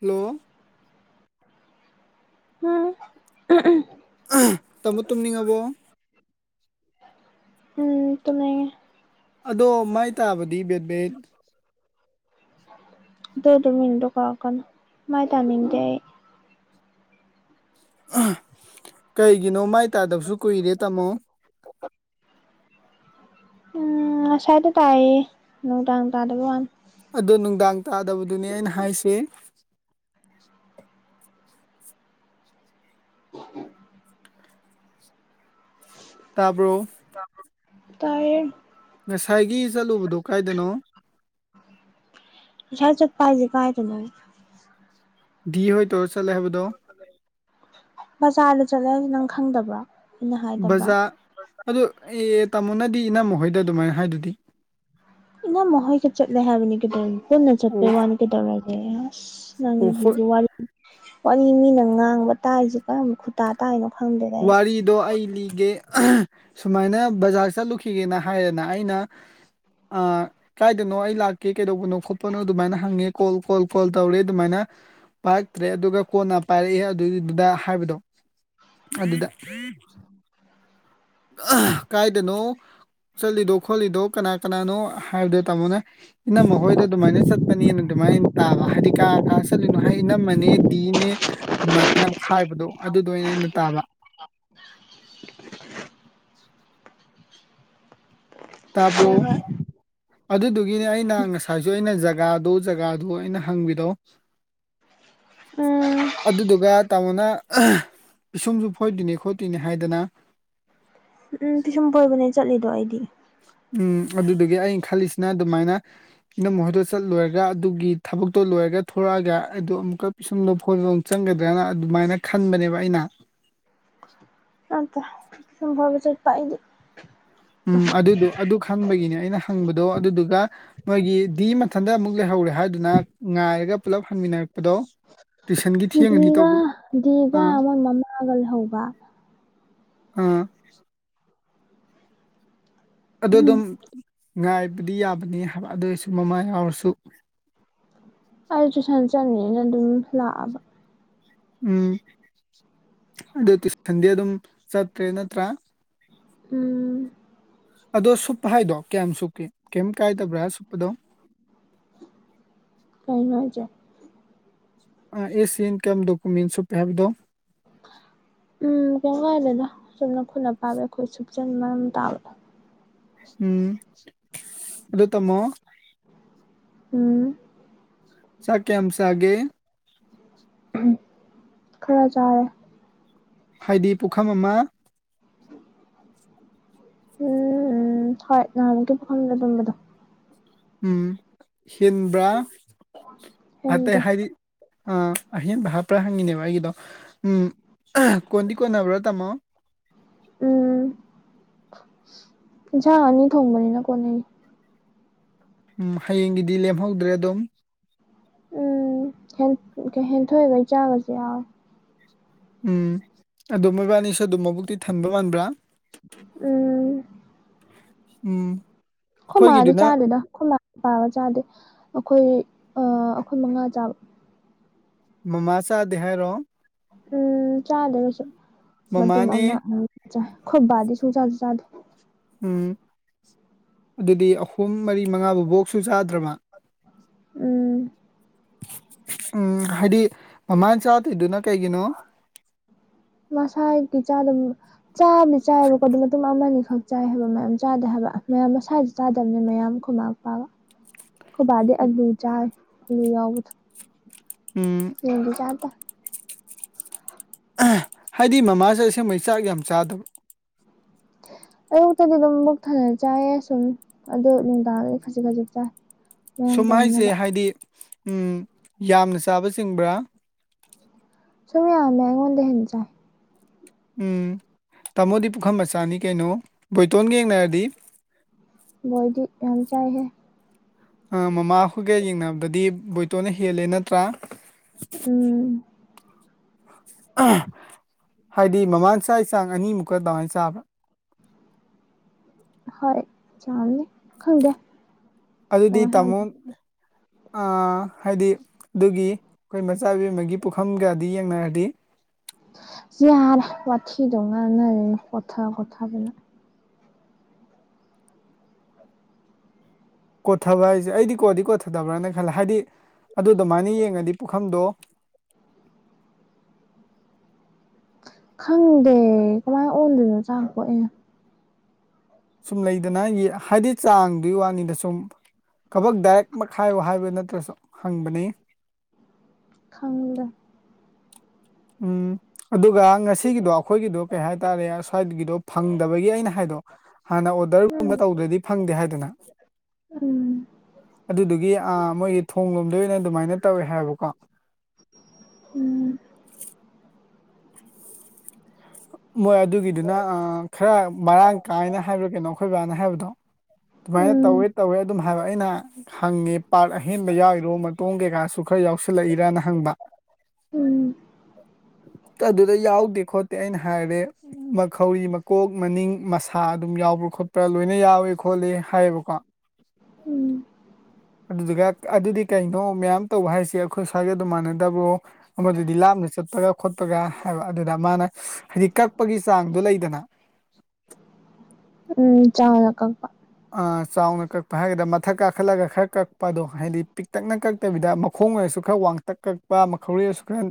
Hello ꯎꯝ ꯇꯃꯣ ꯇꯨꯝꯅꯤꯡꯉꯕꯣ ꯎꯝ ꯇꯃ ꯑꯗꯣ ꯃꯥꯏ ꯇꯥꯕꯗꯤ ꯕꯦꯠꯕꯦꯠ ꯗꯣꯗ ꯃꯤꯅꯤ ꯇꯣ ꯀꯥꯀ ꯃꯥꯥꯏ ꯇꯥꯃꯤꯡꯇ ꯀꯩꯒꯤꯅꯣ ꯃꯥꯏ ꯇꯥꯗꯕꯁꯨ ꯀꯨꯏꯔꯦ ꯇꯥꯃꯣ ꯎ ꯑꯁ꯭ꯋꯥꯏꯗ ꯇꯥꯌꯦ ꯅꯨꯡꯗꯥꯡ ꯇꯥꯗꯕ ꯋꯥꯅꯤ ꯑꯗꯣ ꯅꯨꯡꯗꯥꯡ ꯇꯥꯗꯕꯗꯨꯅꯦ ꯑꯩꯅ ꯍꯥꯏꯁꯦ ꯇꯥꯕ꯭ꯔꯣ ꯇꯥꯏ ꯉꯁꯥꯏꯒꯤ ꯆꯠꯂꯨꯕꯗꯣ ꯀꯥꯏꯗꯅꯣ ꯍ ꯆꯠ ꯄꯥꯏꯖꯦ ꯀꯥꯏ ꯊꯃꯅ ꯗꯤ ꯍꯣꯏ ꯇꯧꯔ ꯆꯠꯂꯦ ꯍꯥꯏꯕꯗꯣ ꯕꯖꯥꯔꯗ ꯆꯠꯂꯦꯁꯦ ꯅꯪ ꯈꯪꯗꯕ ꯕꯖꯥꯔ ꯑꯗꯨ ꯑꯦ ꯇꯥꯃꯣꯅꯗꯤ ꯏꯅꯝꯃꯥꯃꯣꯏꯗ ꯑꯗꯨꯃꯥꯏꯅ ꯍꯥꯏꯗꯨꯗꯤ ꯏꯅꯝꯃꯥ ꯍꯣꯏꯒ ꯆꯠꯂꯦ ꯍꯥꯏꯕꯅꯤ ꯀꯩꯗꯧꯔꯦ ꯄꯨꯟꯅ ꯆꯠꯄꯩ ꯑꯣ ꯋꯥꯅ ꯀꯩꯗꯧꯔꯒꯦ ꯑꯁ ꯑꯣ ꯍꯣꯏ ꯅꯪꯖꯤꯖꯨ ꯋꯥꯔꯤ ꯋꯥꯔꯤ ꯃꯤꯅ ꯉꯥꯡꯕ ꯇꯥꯏꯁꯦ ꯀꯔꯝꯕ ꯈꯨꯠ ꯋꯥꯔꯤꯗꯣ ꯑꯩ ꯂꯤꯒꯦ ꯁꯨꯃꯥꯏꯅ ꯕꯖꯥꯔ ꯆꯠꯂꯨꯈꯤꯒꯦꯅ ꯍꯥꯏꯔꯦꯅ ꯑꯩꯅ ꯑꯥ ꯀꯥꯏꯗꯅꯣ ꯑꯩ ꯂꯥꯛꯀꯦ ꯀꯩꯗꯧꯕꯅꯣ ꯈꯣꯠꯄꯅꯣ ꯑꯗꯨꯃꯥꯏꯅ ꯍꯪꯉꯦ ꯀꯣꯜ ꯀꯣꯜ ꯀꯣꯜ ꯇꯧꯔꯦ ꯑꯗꯨꯃꯥꯏꯅ ꯄꯥꯏꯔꯛꯇ꯭ꯔꯦ ꯑꯗꯨꯒ ꯀꯣꯟꯅ ꯄꯥꯏꯔꯛꯑꯦ ꯑꯗꯨꯒꯤꯗꯨꯗ ꯍꯥꯏꯕꯗꯣ ꯑꯗꯨꯗ [unintelligible] ꯀꯥꯏꯗꯅꯣ ꯆꯠꯂꯤꯗꯣ ꯈꯣꯠꯂꯤꯗꯣ ꯀꯅꯥ ꯀꯅꯥꯅꯣ ꯍꯥꯏꯕꯗ ꯇꯝꯃꯣꯅꯦ ꯏꯅꯝꯃꯥ ꯍꯣꯏꯗ ꯑꯗꯨ ꯃꯥꯏꯅ ꯆꯠ ꯆꯠꯄꯅꯦꯅ ꯑꯗꯨꯃꯥꯏꯅ ꯇꯥꯕ ꯍꯥꯏꯗꯤ ꯀꯥ ꯀꯥ ꯆꯠꯂꯤꯅꯣ ꯍꯥꯏ ꯏꯅꯝꯃꯅꯦ ꯕꯤꯅꯦ ꯑꯗꯨꯃꯥꯏꯅ [unintelligible] ꯍꯥꯏꯕꯗꯣ ꯑꯗꯨꯗꯣ ꯑꯣꯏꯅ ꯑꯩꯅ ꯇꯥꯕ [inaudible] ꯇꯥꯕ꯭ꯔꯣ ꯍꯣꯏ ꯍꯣꯏ ꯑꯗꯨꯗꯨꯒꯤꯅꯦ ꯑꯩꯅ ꯉꯁꯥꯏꯁꯨ ꯑꯩꯅ ꯖꯒꯥꯗꯨ ꯖꯒꯥꯗꯨ ꯑꯩꯅ ꯍꯪꯉꯤꯗꯣ [unintelligible] ꯎꯝ ꯑꯗꯨꯗꯨꯒ ꯇꯥꯃꯣꯅ ꯄꯤꯁꯨꯝꯁꯨ ꯐꯣꯏꯗꯣꯏꯅꯤ ꯈꯣꯠꯇꯣꯏꯅꯤ ꯍꯥꯏꯗꯥꯅ ꯎꯝ ꯄꯤꯁꯨꯝ ꯐꯣꯏꯕꯅꯦ ꯆꯠꯂꯤꯗꯣ ꯑꯩꯗꯤ ꯎꯝ ꯑꯗꯨꯗꯨꯒꯤ ꯑꯩꯅ ꯈꯜꯂꯤꯁꯤꯅ ꯑꯗꯨꯃꯥꯏꯅ ꯏꯅꯝꯃꯥꯍꯣꯏꯗꯣ ꯆꯠꯂꯣꯏꯔꯒ ꯑꯗꯨꯒꯤ ꯊꯕꯛꯇꯣ ꯂꯣꯏꯔꯒ ꯊꯣꯂꯛꯑꯒ ꯑꯩꯗꯣ ꯑꯃꯨꯛꯀ ꯄꯤꯁꯨꯝꯗꯣ ꯐꯣꯢꯕ ꯃꯨꯛ ꯆꯪꯒꯗ꯭ꯔꯅ ꯑꯗꯨꯃꯥꯏꯅ ꯈꯟꯕꯅꯦꯕ ꯑꯩꯅ ꯅꯠꯇꯦ ꯄꯤꯁꯨꯝ ꯐꯣꯏꯕ ꯆꯠꯄ ꯑꯩꯒꯤ ꯎꯝ ꯑꯗꯨꯗꯣ ꯑꯗꯨ ꯈꯪꯕꯒꯤꯅꯦ ꯑꯩꯅ ꯍꯪꯕꯗꯣ ꯑꯗꯨꯗꯨꯒ ꯅꯣꯏꯒꯤ ꯗꯤ ꯃꯊꯟꯇ ꯑꯃꯨꯛ ꯂꯩꯍꯧꯔꯦ ꯍꯥꯏꯗꯨꯅ ꯉꯥꯏꯔꯒ ꯄꯨꯂꯞ ꯍꯪꯃꯤꯟꯅꯔꯛꯄꯗꯣ ꯗꯤꯒ ꯗꯤꯒ ꯑꯥ ꯃꯣꯏ ꯃꯃꯥꯒ ꯂꯩꯍꯧꯕ ꯑꯥ ꯑꯗꯣ ꯑꯗꯨꯝ ꯉꯥꯏꯕꯗꯤ ꯌꯥꯕꯅꯤ ꯍꯥꯏꯕ ꯑꯗꯨ ꯑꯣꯏꯔꯁꯨ ꯃꯃꯥ ꯌꯥꯎꯔꯁꯨ ꯑꯩ ꯇꯨꯏꯁꯟ ꯆꯠꯅꯤꯅ ꯑꯗꯨꯝ ꯂꯥꯛꯑꯥꯕ ꯎꯝ ꯑꯗꯨ ꯇꯨꯢꯁꯟꯗꯤ ꯑꯗꯨꯝ ꯆꯠꯇ꯭ꯔꯦ ꯅꯠꯇ꯭ꯔꯥ ꯎꯝ ꯑꯗꯣ ꯁꯨꯞꯄ ꯍꯥꯏꯗꯣ ꯀꯌꯥꯝ ꯁꯨꯞꯀꯦ ꯀꯩꯝ ꯀꯥꯏꯗꯕ꯭ꯔꯥ ꯁꯨꯞꯄꯗꯣ ꯀꯩꯅꯣ ꯍꯥꯢꯖꯦ ꯑꯦ ꯁꯤ ꯏꯟꯀꯝ ꯗꯣꯀꯨꯃꯦꯟ ꯁꯨꯞꯄꯦ ꯍꯥꯏꯕꯗꯣ ꯎꯝ ꯀꯩꯝ ꯀꯥꯏꯗꯦꯗ ꯆꯨꯝꯅ ꯈꯨꯠꯅ ꯄꯥꯏꯕ ꯈꯔ ꯁꯨꯞꯆꯟ ꯃꯔꯝ ꯇꯥꯕ ꯎꯝ ꯑꯗꯨ ꯇꯝꯃꯣ ꯎꯝ ꯆꯥꯛ ꯀꯌꯥꯝ ꯆꯥꯒꯦ [unintelligible] ꯈꯔꯥ ꯆꯥꯔꯦ ꯍꯥꯏꯗꯤ ꯄꯨꯈꯝ ꯑꯃꯥ ꯎꯝ ꯍꯣꯏ ꯅꯍꯥꯟꯃꯨꯛꯀꯤ ꯄꯨꯈꯝꯗ ꯗꯨꯝꯕꯗꯣ ꯎꯝ ꯍꯦꯟꯕ꯭ꯔꯥ ꯑꯇꯩ ꯍꯦꯟꯗꯦ ꯍꯥꯏꯗꯤ ꯑ ꯑꯍꯦꯟꯕ ꯍꯥꯞꯄ꯭ꯔꯥ ꯍꯪꯉꯤꯅꯦꯕ ꯑꯩꯒꯤꯗꯣ ꯎꯝ ꯀꯣꯟꯗꯤ ꯀꯣꯟꯅꯕ꯭ꯔꯣ ꯇꯥꯃꯣ ꯎꯝ ꯏꯟꯁꯥꯡ ꯑꯅꯤ ꯊꯣꯡꯕꯅꯤꯅ ꯀꯣꯟꯅꯩ ꯎꯝ ꯍꯌꯦꯡꯒꯤꯗꯤ ꯂꯦꯝꯍꯧꯗ꯭ꯔꯦ ꯑꯗꯨꯝ ꯎꯝ ꯍꯦꯟ ꯍꯦꯟꯊꯣꯏꯕꯩ ꯆꯥꯕꯁꯨ ꯌꯥꯎꯋꯦ ꯎꯝ ꯑꯗꯨ ꯃꯣꯏꯕꯥꯅꯤꯁꯨ ꯑꯗꯨꯝ ꯃꯕꯨꯛꯇꯤ ꯊꯟꯕ ꯃꯥꯟꯕ꯭ꯔꯥ ꯎꯝ ꯎꯝ ꯑꯈꯣꯢꯃꯥꯗꯤ ꯑꯩꯈꯣꯏꯒꯤꯗꯨꯅ ꯆꯥꯗꯦꯗ ꯈꯨꯂꯥ ꯄꯥꯕ ꯆꯥꯗꯦ ꯑꯈꯣꯏ ꯑꯈꯣꯏ ꯃꯉꯥ ꯆꯥꯕ ꯃꯃꯥ ꯆꯥꯗꯦ ꯍꯥꯏꯔꯣ ꯎꯝ ꯆꯥꯗꯦ ꯀꯩꯁꯨ ꯃꯇꯨꯝ ꯑꯃ ꯃꯃꯥꯅꯦ ꯑꯅꯤ ꯆꯥꯏ ꯈꯣꯢ ꯕꯥ ꯗꯤ ꯁꯨꯡ ꯆꯥꯁꯨ ꯆꯥꯗꯦ ꯎꯝ ꯑꯗꯨꯗꯤ ꯑꯍꯨꯝ ꯃꯔꯤ ꯃꯉꯥ ꯕꯨꯕꯣꯛꯁꯨ ꯆꯥꯗ꯭ꯔꯕ ꯎꯝ ꯎꯝ ꯍꯥꯏꯗꯤ ꯃꯃꯥꯅ ꯆꯥꯗꯣꯏꯗꯨꯅ ꯀꯩꯒꯤꯅꯣ ꯃꯁꯥꯒꯤ ꯆꯥꯗꯕ ꯆꯥꯕꯨꯗꯤ ꯆꯥꯏꯕꯀꯣ ꯑꯗꯨ ꯃꯇꯨꯝ ꯑꯃꯅꯤ ꯈꯛ ꯆꯥꯏ ꯍꯥꯏꯕ ꯃꯌꯥꯝ ꯆꯥꯗꯦ ꯍꯥꯏꯕ ꯃꯌꯥꯝ ꯃꯁꯥꯏꯖꯨ ꯆꯥꯗꯕꯅꯤ ꯃꯌꯥꯝ ꯑꯈꯣꯢ ꯃꯥ ꯑꯈꯣꯢ ꯕꯥꯒ ꯈꯣꯢ ꯕꯥꯗꯤ ꯑꯂꯨ ꯆꯥꯢ ꯂꯨ ꯌꯥꯎꯕꯗꯨ ꯎꯝ ꯌꯦꯟꯗꯤ ꯆꯥꯗꯦ ꯍꯥꯏꯗꯤ ꯃꯃꯥꯥꯁꯦ ꯑꯁꯦꯡꯕꯩ ꯆꯥꯛ ꯌꯥꯝ ꯆꯥꯗꯕ ꯑꯌꯨꯛꯇꯗꯤ ꯑꯗꯨꯝ ꯃꯕꯨꯛ ꯊꯟꯅ ꯆꯥꯏ ꯁꯨꯝ ꯑꯗꯣ ꯅꯨꯡꯗꯥꯡꯗꯤ ꯈꯖꯤꯛ ꯈꯖꯤꯛ ꯆꯥꯏ ꯃꯌꯥꯡ ꯁꯨꯝ ꯍꯥꯏꯁꯦ ꯀꯪꯅꯕ ꯍꯥꯏꯗꯤ ꯎꯝ ꯌꯥꯝꯅ ꯆꯥꯕ ꯆꯤꯡꯕ꯭ꯔꯥ ꯁꯃꯤ ꯌꯥ ꯃ ꯀꯣꯟꯗ ꯍꯦꯟꯁ ꯎꯝ ꯇꯥꯃꯣꯗꯤ ꯄꯨꯈꯝ ꯃꯆꯥꯅꯤ ꯀꯩꯅꯣ ꯕꯣꯏꯇꯣꯟꯒ ꯌꯦꯡꯅꯔꯗꯤ ꯕꯣꯏꯗꯤ ꯌꯥꯝ ꯆꯥꯏꯍꯦ ꯃꯃꯥꯍꯣꯏꯒ ꯌꯦꯡꯅꯕꯗꯗꯤ ꯕꯣꯏꯇꯣꯅ ꯍꯦꯜꯂꯦ ꯅꯠꯇ꯭ꯔꯥ ꯎꯝ ꯍꯥꯏꯗꯤ ꯃꯃꯥꯡ ꯆ ꯆꯥꯡ ꯑꯅꯤꯃꯨꯛꯀ ꯑꯗꯨꯃꯥꯏꯅ ꯆꯥꯕ꯭ꯔꯥ ꯍꯣꯏ ꯆꯥꯡꯅꯦ ꯈꯪꯒꯦ ꯑꯗꯨꯗꯤ ꯇꯥꯃꯣ ꯍꯥꯏꯗꯤ ꯑꯗꯨꯒꯤ ꯑꯩꯈꯣꯏ ꯃꯆꯥꯕꯤ ꯑꯃꯒꯤ ꯄꯨꯈꯝꯒꯗꯤ ꯌꯦꯡꯅꯔꯗꯤ ꯌꯥ ꯄꯊꯤꯗꯣ ꯑꯅ ꯀꯣꯊꯥ ꯀꯣꯊꯥꯕꯅ ꯀꯣꯠꯊꯕ ꯍꯥꯏꯁꯦ ꯑꯩꯗꯤ ꯀꯣꯠꯗꯤ ꯀꯣꯠꯊꯗꯕ꯭ꯔꯅ ꯈꯜꯂꯦ ꯍꯥꯏꯗꯤ ꯑꯗꯨ ꯑꯗꯨꯃꯥꯏꯅ ꯌꯦꯡꯉꯗꯤ ꯄꯨꯈꯝꯗꯣ ꯈꯪꯗꯦ ꯀꯃꯥꯏꯅ ꯑꯣꯟꯗꯣꯏꯅꯣ ꯆꯥꯄꯣꯑꯦ ꯁꯨꯝ ꯂꯩꯗꯅ ꯍꯥꯏꯗꯤ ꯆꯥꯡꯗꯨꯒꯤ ꯋꯥꯅꯤꯗ ꯁꯨꯝ ꯀꯕꯛ ꯗꯥꯏꯔꯦꯛ ꯃꯈꯥꯏꯌꯣ ꯍꯥꯏꯕ ꯅꯠꯇ꯭ꯔꯁꯨ ꯍꯪꯕꯅꯤ ꯈꯪꯂꯅ ꯎꯝ ꯑꯗꯨꯒ ꯉꯁꯤꯒꯤꯗꯣ ꯑꯩꯈꯣꯏꯒꯤꯗꯣ ꯀꯩ ꯍꯥꯏꯇꯥꯔꯦ ꯁ꯭ꯋꯥꯏꯒꯤꯗꯣ ꯐꯪꯗꯕꯒꯤ ꯑꯩꯅ ꯍꯥꯏꯗꯣ ꯍꯥꯟꯅ ꯑꯣꯗꯔꯒꯨꯝꯕ ꯇꯧꯗ꯭ꯔꯗꯤ ꯐꯪꯗꯦ ꯍꯥꯏꯗꯅ ꯎꯝ ꯑꯗꯨꯗꯨꯒꯤ ꯃꯣꯏꯒꯤ ꯊꯣ ꯂꯣꯝꯗ ꯑꯣꯏꯅ ꯑꯗꯨꯃꯥꯏꯅ ꯇꯧꯋꯦ ꯍꯥꯏꯕꯀꯣ ꯎꯝ ꯎ ꯃꯣꯏ ꯑꯗꯨꯒꯤꯗꯨꯅ ꯈꯔ ꯃꯔꯥꯡ ꯀꯥꯏꯅ ꯍꯥꯏꯕ꯭ꯔꯥ ꯀꯩꯅꯣ ꯑꯩꯈꯣꯏ ꯕꯥꯅ ꯍꯥꯏꯕꯗꯣ ꯑꯗꯨꯃꯥꯏꯅ ꯇꯧꯋꯦ ꯎꯝ ꯇꯧꯋꯦ ꯑꯗꯨꯝ ꯍꯥꯏꯕ ꯑꯩꯅ ꯍꯪꯉꯦ ꯄꯥꯔꯛ ꯑꯍꯦꯟꯕ ꯌꯥꯎꯏꯔꯣ ꯃꯇꯣꯡ ꯀꯩꯀꯥꯁꯨ ꯈꯔ ꯌꯥꯎꯁꯜꯂꯛꯏꯔꯅ ꯍꯪꯕ ꯎꯝ ꯎꯝ ꯑꯗꯨꯗ ꯌꯥꯎ ꯗꯦꯈꯣ ꯑꯩꯅ ꯍꯥꯏꯔꯦ ꯃꯈꯧꯔꯤ ꯃꯀꯣꯛ ꯃꯅꯤꯡ ꯃꯁꯥ ꯑꯗꯨꯝ ꯌꯥꯎ꯭ꯔꯥ ꯈꯣꯠꯄ꯭ꯔꯥ ꯂꯣꯏꯅ ꯌꯥꯎꯋ ꯈꯣꯠꯂꯤ ꯍꯥꯏꯌꯦꯕꯀꯣ ꯎꯝ ꯑꯗꯨꯗꯨꯒ ꯑꯗꯨꯗꯤ ꯀꯩꯅꯣ ꯃꯌꯥꯝ ꯇꯧꯕ ꯍꯥꯏꯁꯦ ꯑꯩꯈꯣꯏ ꯁ꯭ꯋꯥꯏꯒꯤ ꯑꯗꯨꯝ ꯃꯥꯟꯅꯗꯕ꯭ꯔꯣ ꯑꯃꯗꯨꯗꯤ ꯂꯥꯞꯅ ꯆꯠꯄꯒ ꯈꯣꯠꯄꯒ ꯍꯥꯏꯕ ꯑꯗꯨꯅ ꯃꯥꯅ ꯍꯥꯏꯗꯤ ꯀꯛꯄꯒꯤ ꯆꯥꯡꯗꯣ ꯂꯩꯗꯅ ꯎꯝ ꯆꯥ ꯂ ꯀꯄ ꯆꯥꯎꯅ ꯀꯛꯄ ꯍꯥꯏꯒꯗ ꯃꯊꯛ ꯀꯥꯈꯠꯂꯒ ꯈꯔ ꯀꯛꯄ ꯑꯗꯣ ꯍꯥꯏꯗꯤ ꯄꯤꯛꯇꯛꯅ ꯀꯛ ꯀꯛꯇꯕꯤꯗ ꯃꯈꯣꯡ ꯑꯣꯏꯔꯁꯨ ꯈꯔ ꯋꯥꯡꯇꯛ ꯀꯛꯄ ꯃꯈꯧꯔꯁꯨ ꯈꯔ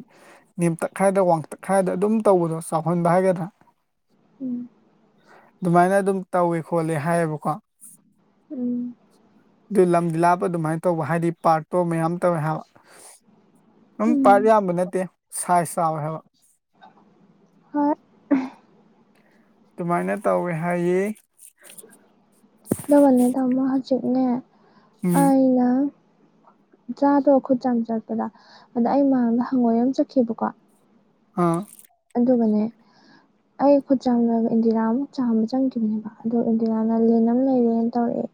ꯅꯦꯝꯇꯛ ꯈꯥꯏꯗ ꯋꯥꯡꯇꯛ ꯈꯥꯏꯗ ꯑꯗꯨꯝ ꯇꯧꯕꯗꯣ ꯆꯥꯎꯍꯟꯕ ꯍꯥꯏꯒꯗ꯭ꯔꯥ ꯎꯝ ꯑꯗꯨꯃꯥꯏꯅ ꯑꯗꯨꯝ ꯇꯧꯏ ꯈꯣꯠꯂꯦ ꯍꯥꯏꯌꯦꯕꯀꯣ ꯎꯝ ꯑꯗꯨ ꯂꯝꯗꯤ ꯂꯥꯞꯄ ꯑꯗꯨꯃꯥꯏꯅ ꯇꯧꯕ ꯍꯥꯏꯗꯤ ꯄꯥꯔꯠꯇꯣ ꯃꯌꯥꯝ ꯇꯧꯋꯦ ꯍꯥꯏꯕ ꯑꯗꯨꯝ ꯄꯥꯔꯠ ꯎꯝ ꯌꯥꯝꯕ ꯅꯠꯇꯦ ꯁꯥꯏꯖ ꯆꯥꯎꯏ ꯍꯥꯏꯕ ꯍꯣꯏ ꯑꯗꯨꯃꯥꯏꯅ ꯇꯧꯋꯦ ꯍꯥꯏꯌꯦ [unintelligible] ꯍꯧꯖꯤꯛꯅꯦ ꯎꯝ ꯑꯩꯅ ꯆꯥꯗꯣ ꯈꯨꯠ ꯆꯥꯝ ꯆꯠꯄꯗ ꯑꯗ ꯑꯩ ꯃꯥꯡꯗ ꯍꯪꯉꯣꯏ ꯑꯃ ꯆꯠꯈꯤꯕꯀꯣ ꯑꯥ ꯑꯗꯨꯒꯅꯦ ꯑꯩ ꯈꯨꯠꯆꯥꯝ ꯂꯣꯢꯔꯥ ꯏꯟꯗꯤꯔꯥ ꯑꯃꯨꯛ ꯆꯥꯝꯕ ꯆꯪꯒꯤꯝꯅꯦꯕ ꯑꯗꯣ ꯏꯟꯗꯤꯔꯥꯅ ꯂꯤꯟ ꯑꯃ ꯂꯩꯔꯦꯅ ꯇꯧꯔꯛꯑꯦ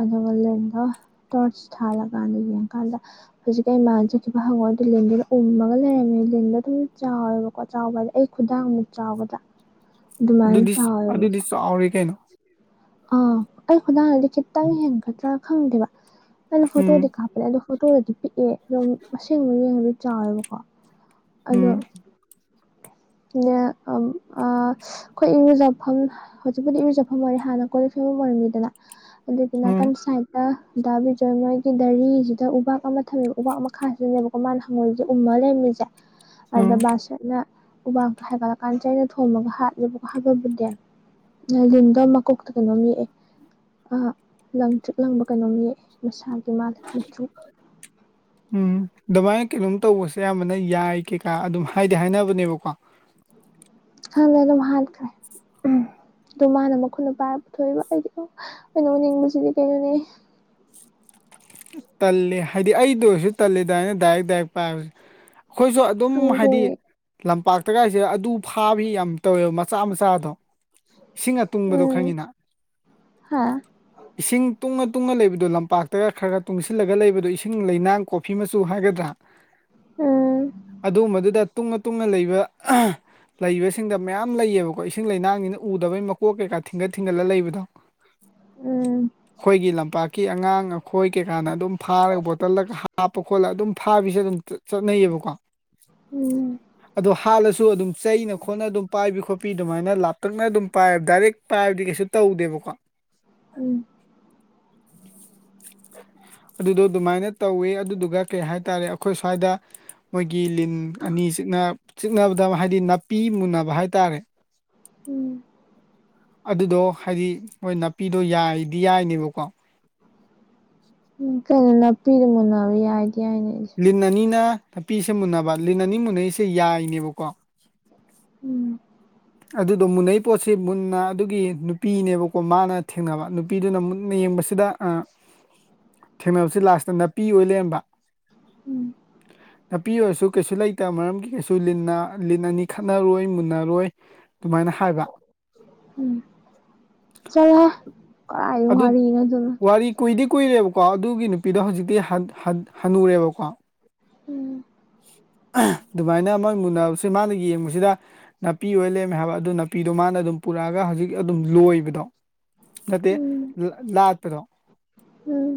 ꯑꯗꯨꯒ ꯂꯤꯟꯗꯣ ꯇꯣꯔꯆ ꯊꯥꯜꯂꯀꯥꯟꯗ ꯌꯦꯡꯀꯥꯟꯗ ꯍꯧꯖꯤꯛ ꯑꯩ ꯃꯥꯡ ꯆꯠꯈꯤꯕ ꯍꯪꯉꯣꯢꯗꯨ ꯂꯤꯟꯗꯨꯅ ꯎꯝꯃꯒ ꯂꯩꯔꯝꯃꯦ ꯂꯤꯟꯗꯣ ꯑꯗꯨꯝ ꯆꯥꯎꯋꯦꯕ ꯀꯣ ꯆꯥꯎꯕ ꯍꯥꯏꯗ ꯑꯩ ꯈꯨꯗꯥꯡꯃꯨꯛ ꯆꯥꯎꯒꯗ ꯑꯗꯨꯃꯥꯏꯅ ꯆꯥꯎꯋꯦꯕꯀꯣ ꯆꯥꯎꯔꯦꯀꯩꯅꯣ ꯑꯥ ꯑꯩ ꯈꯨꯗꯥꯡꯗꯥꯒꯤ ꯈꯤꯇꯪ ꯍꯦꯟꯒꯥꯗ꯭ꯔꯥ ꯈꯪꯗꯦꯕꯥ ꯑꯩꯅ ꯎꯝ ꯐꯣꯇꯣꯗꯤ ꯀꯥꯞꯄꯥ ꯑꯗꯣ ꯐꯣꯇꯣꯗꯗꯤ ꯄꯤꯛꯑꯦ ꯑꯗꯣ ꯑꯁꯦꯡꯕꯥ ꯌꯦꯡꯉꯗꯤ ꯆꯥꯎꯋꯦꯕꯀꯣ꯫ ꯑꯗꯣ ꯎꯝ [unintelligible] ꯑꯝ ꯑꯥ ꯑꯩꯈꯣꯏ ꯏꯔꯨꯖꯐꯝ ꯍꯧꯖꯤꯛꯄꯨꯗꯤ ꯏꯔꯨꯖꯐꯝ ꯑꯣꯏꯔꯦ ꯍꯥꯟꯅ ꯀꯣꯂꯤꯛ ꯐ°ꯡꯐꯝ ꯑꯣꯏꯔꯝꯃꯤꯗꯅꯥ꯫ ꯑꯗꯨꯢꯗꯨ ꯎꯝ ꯅꯥꯀꯟ ꯁꯥꯏꯠ ꯗꯥ ꯗꯥ ꯕꯤꯆꯝ ꯍꯣꯏꯒꯤ ꯗꯥꯔꯤꯁꯤꯗ ꯎꯄꯥꯛ ꯑꯃ ꯊꯝꯃꯦꯕ ꯎꯄꯥꯛ ꯃꯈꯥꯁꯤꯗꯅꯦꯕ ꯃꯥꯅ ꯍꯪꯉꯣꯏꯁꯦ ꯎꯝꯃꯥ ꯂꯩꯔꯝꯃꯤꯁꯦ ꯑꯗ ꯎꯝ ꯕꯥꯁꯔꯠꯅ ꯎꯕꯥꯛꯇꯣ ꯍꯥꯏꯒꯠꯂꯀꯥꯟꯗ ꯆꯩꯩꯥꯅ ꯊꯣꯝꯃꯒ ꯍꯥꯠꯂꯦꯕꯀꯣ ꯍꯥꯠꯄꯕꯨꯗꯤ ꯂꯤꯟꯗꫭ ꯃꯀꯣꯛꯇ ꯀꯩꯅꯣꯝ ꯌꯦꯛꯑꯦ ꯑ ꯂꯪꯇ꯭ꯔꯤꯛ ꯂꯪꯕ ꯀꯩꯅꯣꯝ ꯌꯦꯛꯑꯦ ꯃꯁꯥꯒꯤ ꯃꯥꯜꯂꯦ ꯃꯨꯁꯨꯛ ꯎꯝ ꯑꯗꯨꯃꯥꯏꯅ ꯀꯩꯅꯣꯝ ꯇꯧꯕꯁꯦ ꯑꯌꯥꯝꯕꯅꯥ ꯌꯥꯏ ꯀꯩꯀꯥ ꯑꯗꯨꯝ ꯍꯥꯏꯗꯤ ꯍꯥꯏꯅꯕꯅꯦꯕꯀꯣ꯫ ꯈꯪꯗꯦ ꯑꯗꯨꯝ ꯍꯥꯠꯈ꯭ꯔꯦ꯫ ꯎꯝꯝ ꯑꯗꯣ ꯃꯥꯅ ꯃꯈꯨꯠꯅ ꯄꯥꯏꯔꯒ ꯄꯨꯊꯣꯂꯛꯢꯕ ꯑꯩꯗꯤ ꯑꯩꯅ ꯑꯣꯅꯤꯡꯕꯁꯤꯗꯤ ꯀꯩꯅꯣꯅꯤ ꯇꯜꯂꯤ ꯍꯥꯏꯗꯤ ꯑꯩꯗꯥ ꯑꯣꯏꯔꯁꯨ ꯇꯜꯂꯤ ꯑꯗꯨꯃꯥꯏꯅ ꯗꯥꯏꯔꯦꯛ ꯗꯥꯏꯔꯦꯛ ꯄꯥꯏꯕꯁꯦ꯫ ꯑꯩꯈꯣꯏꯁꯨ ꯑꯗꯨꯝ ꯍꯥꯏꯗꯤ ꯍꯪꯒꯣꯏ ꯂꯝꯄꯥꯛꯇꯒꯥꯁꯤ ꯑꯗꯨ ꯐꯥꯕꯤ ꯌꯥꯝ ꯇꯧꯋꯦꯕ ꯃꯆꯥ ꯃꯆꯥꯗꯣ ꯏꯁꯤꯡꯒꯥ ꯇꯨꯡꯕꯗꯣ ꯈꯪꯉꯤꯅ ꯍꯥ ꯏꯁꯤꯡ ꯇꯨꯡꯉꯥ ꯇꯨꯡꯉꯥ ꯂꯩꯕꯗꯣ ꯂꯝꯄꯥꯛꯇꯒꯥ ꯈꯔ ꯈꯔ ꯇꯨꯡꯁꯤꯜ ꯂꯒ ꯂꯩꯕꯗꯨ ꯏꯁꯤꯡ ꯂꯩꯅꯥꯡ ꯀꯣꯐꯤ ꯃꯆꯨ ꯍꯥꯏꯒꯗ꯭ꯔꯥ꯫ ꯎꯝ ꯑꯗꯨꯒꯨꯝꯕꯗꯨꯗꯥ ꯇꯨꯡꯉꯥ ꯇꯨꯡꯉꯥ ꯂꯩꯕ ꯂꯩꯕꯁꯤꯡꯗꯥ ꯃꯌꯥꯝ ꯂꯩꯌꯦꯕꯀꯣ ꯏꯁꯤꯡ ꯂꯩꯅꯥꯡꯅꯤꯅ ꯎꯗꯕꯩ ꯃꯀꯣꯛ ꯀꯩꯀꯥ ꯊꯤꯡꯒꯠ ꯊꯤꯡꯒꯠꯂꯒ ꯂꯩꯕꯗꯣ꯫ ꯎꯝ ꯑꯩꯈꯣꯏꯒꯤ ꯂꯝꯄꯥꯛꯀꯤ ꯑꯉꯥꯡ ꯑꯩꯈꯣꯏ ꯀꯩꯀꯥꯅ ꯑꯗꯨꯝ ꯐꯥꯔꯒ ꯕꯣꯇꯜꯗꯒꯥ ꯍꯥꯞꯄ ꯈꯣꯠꯂꯒ ꯑꯗꯨꯝ ꯐꯥꯕꯤꯁꯨ ꯑꯗꯨꯝ ꯆꯠꯅꯩꯌꯦꯕꯀꯣ ꯎꯝ ꯑꯗꯣ ꯍꯥꯠꯂꯁꯨ ꯑꯗꯨꯝ ꯆꯩꯅ ꯈꯣꯠꯅꯥ ꯑꯗꯨꯝ ꯄꯥꯏꯕꯤ ꯈꯣꯠꯄꯤ ꯑꯗꯨꯃꯥꯏꯅ ꯂꯥꯞꯇꯛꯅꯥ ꯑꯗꯨꯝ ꯄꯥꯏꯕꯥ ꯗꯥꯏꯔꯦꯛ ꯄꯥꯏꯕꯗꯤ ꯀꯩꯁꯨ ꯇꯧꯗꯦꯕꯀꯣ꯫ ꯎꯝ ꯑꯗꯨꯗꯣ ꯑꯗꯨꯃꯥꯏꯅ ꯇꯧꯋꯦ ꯑꯗꯨꯏꯗꯨꯒ ꯀꯩ ꯍꯥꯏꯇꯥꯔꯦ ꯑꯩꯈꯣꯏ ꯁ꯭ꯋꯥꯏꯗꯥ꯫ ꯃꯣꯏꯒꯤ ꯂꯤꯟ ꯑꯅꯤ ꯆꯤꯛꯅ ꯆꯤꯛꯅꯕꯗ ꯍꯥꯏꯗꯤ ꯅꯥꯄꯤ ꯃꯨꯟꯅꯕ ꯍꯥꯏꯇꯥꯔꯦ ꯎꯝ ꯑꯗꯨꯗꯣ ꯍꯥꯏꯗꯤ ꯃꯣꯏ ꯅꯥꯄꯤꯗꯣ ꯌꯥꯏꯗꯤ ꯌꯥꯏꯅꯦꯕꯀꯣ꯫ ꯑꯝ ꯀꯩꯅꯣ ꯅꯄꯤꯒꯥ ꯃꯨꯟꯅꯕ ꯌꯥꯏꯗꯤ ꯌꯥꯏꯅꯦꯗꯤ ꯂꯤꯟ ꯑꯅꯤꯅ ꯅꯥꯄꯤꯁꯦ ꯃꯨꯟꯅꯕ ꯂꯤꯟ ꯑꯅꯤꯅꯥ ꯃꯨꯟꯅꯩꯁꯦ ꯌꯥꯏꯅꯦꯕꯀꯣ꯫ ꯎꯝ ꯑꯗꯨꯗꯣ ꯃꯨꯟꯅꯩ ꯄꯣꯠꯁꯤ ꯃꯨꯟꯅ ꯑꯗꯨꯒꯤ ꯅꯨꯄꯤꯅꯦꯕꯥ ꯀꯣ ꯃꯥꯅꯥ ꯊꯦꯡꯅꯕꯥ꯫ ꯅꯥꯄꯤꯗꯨꯅ ꯃꯨꯟꯅꯥ ꯌꯦꯡꯕꯁꯤꯗ꯫ ꯊꯦꯡꯅꯕꯁꯤ ꯂꯥꯁꯇ ꯅꯥꯄꯤ ꯑꯣꯏ ꯂꯩꯔꯝꯕ꯫ ꯎꯝ ꯅꯄꯤ ꯄꯤ ꯑꯣꯏꯔꯁꯨ ꯀꯩꯁꯨ ꯂꯩꯇꯕꯥꯃꯔꯝꯒꯤ ꯀꯩꯁꯨ ꯂꯤꯟꯅ ꯂꯤꯟ ꯑꯅꯤ ꯈꯠꯅꯔꯣꯏ ꯃꯨꯟꯅꯔꯣꯏ ꯑꯗꯨꯃꯥꯏꯅꯥ ꯍꯥꯏꯕꯥ ꯎꯝꯝ ꯆꫭꯍ° ꯑꯗꯨꯗꫭ ꯋꯥꯔꯤ ꯀꯨꯏꯗꯤ ꯀꯨꯏꯔꯦꯕꯥ ꯀꯣ ꯑꯗꯨꯒꯤ ꯅꯨꯄꯤꯗꯣ ꯍꯧꯖꯤꯛꯇꯤ ꯍꯅꯨꯔꯦꯕꯀꯣ꯫ ꯎꯝꯝ ꯑꯥ ꯑꯗꯨꯃꯥꯏꯅ ꯃꯣꯏ ꯃꯨꯟꯅꯁꯤ ꯃꯥꯅ ꯌꯦꯡꯕꯁꯤꯗꯥ ꯅꯥꯄꯤ ꯑꯣꯏ ꯂꯦꯝꯔꯃꯦ ꯍꯥꯏꯕꯗꫭ꯫ ꯑꯗꯨ ꯅꯥꯄꯤꯗꯣ ꯃꯥꯅ ꯑꯗꯨꯝ ꯄꯨꯔꯛꯑꯒ ꯍꯧꯖꯤꯛ ꯑꯗꯨꯝ ꯂꯣꯏꯕꯗꯣ꯫ ꯅꯠꯇꯦ ꯂꯥꯥꯛꯠꯄꯗꯣ꯫ ꯎꯝꯝ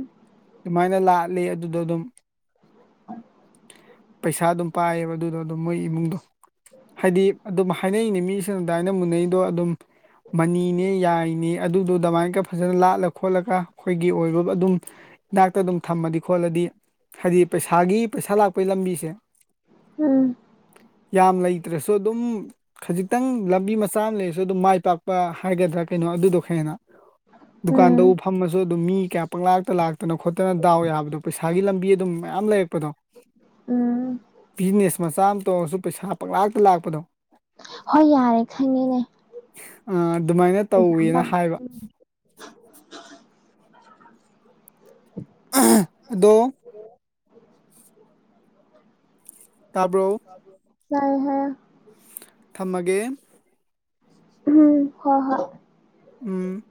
ꯑꯗꯨꯃꯥꯏꯅꯥ ꯂꯥꯛꯔ° ꯑꯗꯨꯗꯣ ꯑꯗꯨꯝ꯫ ꯄꯩꯁꯥ ꯑꯗꯨꯝꯅꯥ ꯄꯥꯏ ꯑ°ꯕꯥ ꯑꯗꯨꯗꯣ ꯑꯗꯨꯝ ꯃꯣꯏ ꯏꯃꯨꯡꯗꯣ꯫ ꯍꯥꯏꯗꯤ ꯑꯗꯨꯝ ꯍꯥꯏꯅꯩꯅꯦ ꯃꯤꯁꯨ ꯑꯗꯨꯃꯏꯅꯥ ꯃꯨꯟꯅꯩꯗꯣ ꯑꯗꯨꯝ꯫ ꯃꯅꯤꯅꯦ ꯌꯥꯏꯅꯦ ꯫ ꯑꯗꯨꯗꯨ ꯗꯃꯥꯏꯒ ꯐꯖ ꯂꯥꯠꯂ ꯈꯣꯠꯂꯒ ꯈꯣꯏꯒꯤ ꯑꯣꯏꯕ ꯑꯗꯨꯝ ꯏꯅꯥꯛꯇ ꯑꯗꯨꯝ ꯊꯝꯃꯗꯤ ꯈꯣꯠꯂꯗꯤ ꯍꯥꯏꯗꯤ ꯄꯩꯁꯥꯒꯤ ꯄꯩꯁꯥ ꯂꯥꯛꯄꯩ ꯂꯝꯕꯤꯖꯦ ꯎꯝ ꯫ ꯌꯥꯝ ꯂꯩꯇ꯭ꯔꯁꯨ ꯑꯗꯨꯝ ꯈꯖꯤꯛꯇꯪ ꯂꯝꯕꯤ ꯃꯆꯥ ꯑꯃ ꯂꯩꯔꯖꯨ ꯑꯗꯨꯝ ꯃꯥꯏ ꯄꯥꯛꯄ ꯍꯥꯏꯒꯗ꯭ꯔꯥ ꯀꯩꯅꯣ ꯑꯗꯨꯗꯣ ꯈꯪꯉꯦꯅ ꯫ ꯗꯨꯀꯥꯟꯗꯕꯨ ꯎꯝ ꯐꯝꯃꯖꯨ ꯑꯗꯨꯝ ꯃꯤ ꯀꯌꯥ ꯄꯪꯂꯥꯛꯇ ꯂꯥꯛ ꯇꯅ ꯈꯣꯠꯇꯅ ꯗꯥꯎ ꯌꯥꯕꯗꯣ ꯄꯩꯁꯥꯒꯤ ꯂꯝꯕꯤ ꯑꯗꯨꯝ ꯃꯌꯥꯝ ꯂꯩꯔꯛꯄꯗꯣ ꯫ ꯎꯝ ꯫ ꯕꯤꯖꯤꯅꯦꯁ ꯃꯆꯥ ꯑꯃ ꯇꯣꯡꯉꯁꯨ ꯄꯩꯁꯥ ꯄꯪꯂꯥꯛꯇ ꯂꯥꯛꯄꯗꯣ ꯍꯣꯏ ꯌꯥꯔꯦ ꯈꯪꯉꯦꯅꯦ ꯫ ꯑꯥ ꯑꯗꯨꯃꯥꯏꯅ ꯑꯦꯛꯖꯥꯝ ꯄꯥ ꯇꯧꯋꯦꯅ ꯍꯥꯏꯕ ꯫ [unintelligible] ꯑꯗꯣ ꯇꯥꯕ꯭ꯔꯣ ꯫ ꯆꯥꯏꯍꯦ ꯫ ꯊꯝꯃꯒꯦ ꯫ ꯍꯣ ꯍꯣꯏ ꯫ ꯎꯝ ꯫